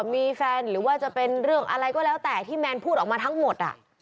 มีแฟนหรือว่าจะเป็นเรื่องอะไรก็แล้วแต่ที่แมนพูดออกมาทั้งหมด